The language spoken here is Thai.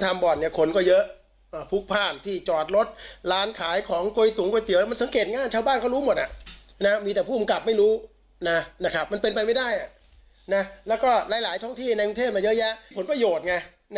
แต่มันถึงอุปกรณ์เป็นประโยชน์